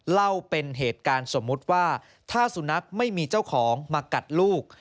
เล่าเป็นเหตุการณ์สมมุติว่าถ้าสุนัขไม่มีเจ้าของมากัดลูก